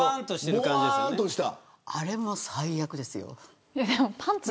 あれもう最悪ですよ。